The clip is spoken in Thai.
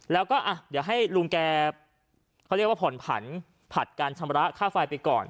แล้วก็เดี๋ยวให้ลุงแกเขาเรียกว่าผ่อนผันผลัดการชำระค่าไฟไปก่อน